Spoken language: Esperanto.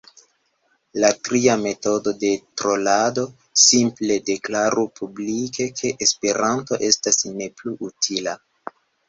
La tria metodo de trolado, simple deklaru publike ke esperanto estas ne plu utila.